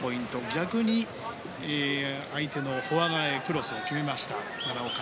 逆に相手のフォア側へクロスを決めました、奈良岡。